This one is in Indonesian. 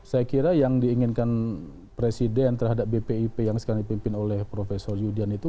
saya kira yang diinginkan presiden terhadap bpip yang sekarang dipimpin oleh profesor yudhian itu